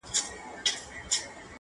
عشقه اول درد وروسته مرحم راکه,